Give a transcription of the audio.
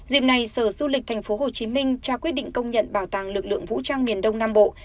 dịp này sở du lịch tp hcm trao quyết định công nhận bảo tàng lực lượng vũ trang miền đông nam bộ